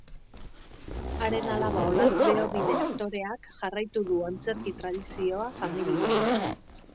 Haren alaba Olatz Beobide aktoreak jarraitu du antzerki tradizioa familian.